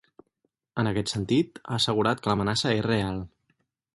En aquest sentit, ha assegurat que l’amenaça és real.